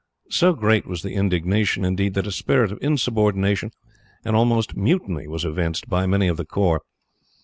So great was the indignation, indeed, that a spirit of insubordination, and almost mutiny, was evinced by many of the corps.